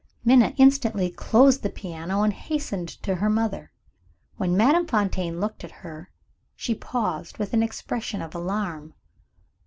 Minna instantly closed the piano, and hastened to her mother. When Madame Fontaine looked at her, she paused, with an expression of alarm.